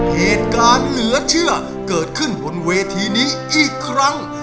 เหตุการณ์เหลือเชื่อเกิดขึ้นบนเวทีนี้อีกครั้ง